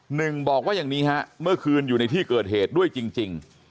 หนึ่งบอกว่าอย่างนี้ฮะเมื่อคืนอยู่ในที่เกิดเหตุด้วยจริง